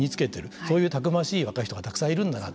そういうたくましい若い人がたくさんいるんだなと。